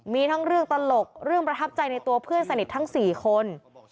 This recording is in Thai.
มีทั้งเรื่องตลกเรื่องประทับใจในตัวเพื่อนสนิททั้ง๔คน